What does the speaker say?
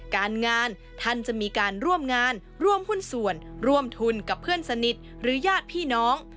การงานท่านจะมีการร่วมงานร่วมหุ้นส่วนร่วมทุนกับเพื่อนสนิทหรือญาติพี่น้อง